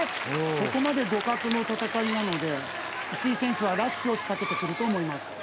ここまで互角の戦いなので石井選手はラッシュを仕掛けてくると思います